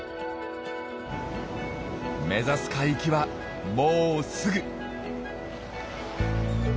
目指す海域はもうすぐ。